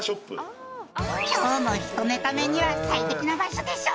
「今日の１ネタ目には最適な場所でしょう」